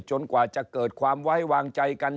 กว่าจะเกิดความไว้วางใจกัน